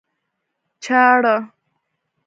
چاړه